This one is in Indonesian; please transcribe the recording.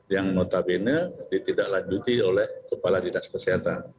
yang notabene ditindaklanjuti oleh kepala dinas kesehatan